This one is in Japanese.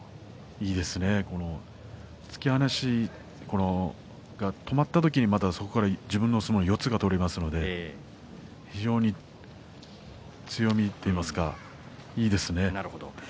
いいですね突き放しがはまった時にそこからまた自分の相撲の四つが取れますので強みといいますか、いいですね。